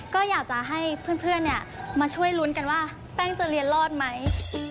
ก็อยากจะให้เพื่อนมาช่วยลุ้นกันว่าแป้งจะเรียนรอดไหม